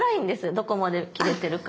どこまで切れてるか。